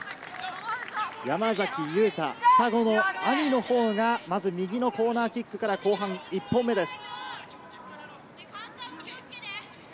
山崎佑太、双子の兄のほうが、まずは右のコーナーキックから後半１本目です。